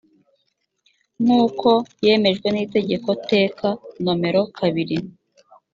nk uko yemejwe n itegeko teka nomero kabiri